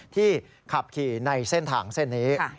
ที่ขับขี่ในเส้นทางเส้นนี้